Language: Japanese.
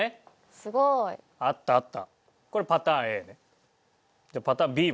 すごい！合った合った。